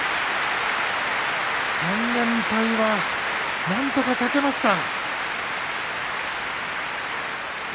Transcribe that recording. ３連敗はなんとか避けました。